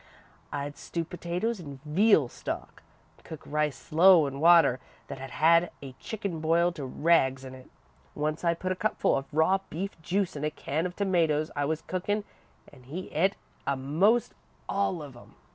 I'd stew potatoes in veal stock, and cook rice slow in water that had had a chicken boiled to rags in it. Once I put a cupful of raw beef juice in a can of tomatoes I was cookin' and he et a'most all of 'em.